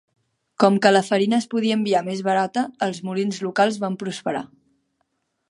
Com que la farina es podia enviar més barata, els molins locals van prosperar.